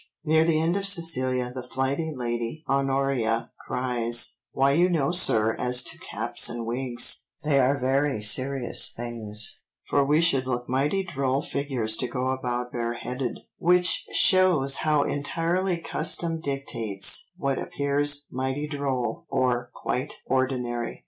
Near the end of Cecilia the flighty Lady Honoria cries, "'Why you know sir as to caps and wigs, they are very serious things, for we should look mighty droll figures to go about bareheaded,'" which shows how entirely custom dictates what appears "mighty droll" or quite ordinary.